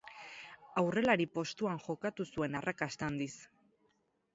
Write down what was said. Aurrelari postuan jokatu zuen arrakasta handiz.